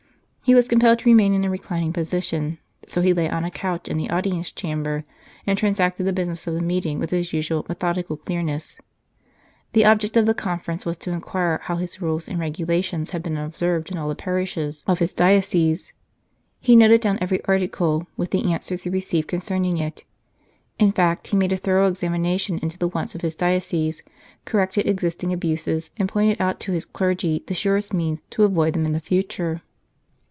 He was compelled to remain in a reclining position, so he lay on a couch in the audience chamber, and transacted the business of the meeting with his usual methodical clear ness. The object of the conference was to inquire how his rules and regulations had been observed in all the parishes of his diocese. He noted down every article, with the answers he received concern ing it. In fact, he made a thorough examination into the wants of his diocese, corrected existing abuses, and pointed out to his clergy the surest means to adopt to avoid them in the future.